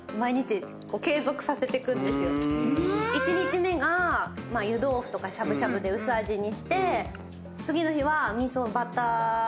１日目が湯豆腐とかしゃぶしゃぶで薄味にして次の日は味噌バター鍋にして。